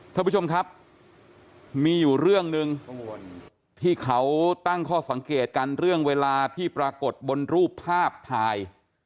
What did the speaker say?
ท่านผู้ชมครับมีอยู่เรื่องหนึ่งที่เขาตั้งข้อสังเกตกันเรื่องเวลาที่ปรากฏบนรูปภาพถ่าย